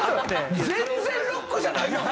全然ロックじゃないやん。